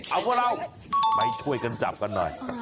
เอาพวกเราไปช่วยกันจับกันหน่อย